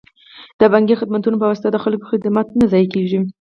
د بانکي خدمتونو په واسطه د خلکو وخت نه ضایع کیږي.